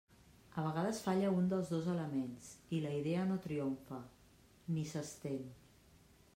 A vegades falla un dels dos elements i la idea no triomfa, ni s'estén.